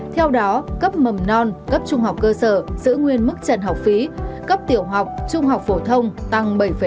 theo đó cấp mầm non cấp trung học cơ sở giữ nguyên mức trần học phí cấp tiểu học trung học phổ thông tăng bảy năm